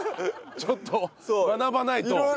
ちょっと学ばないと。